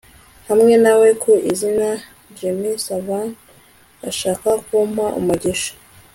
hamwe na we, ku izina jimi savannah, ashaka kumpa umugisha